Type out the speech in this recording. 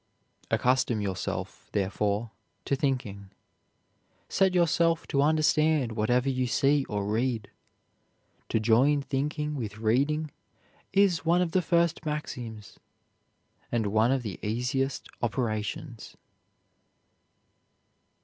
"Accustom yourself, therefore, to thinking. Set yourself to understand whatever you see or read. To join thinking with reading is one of the first maxims, and one of the easiest operations."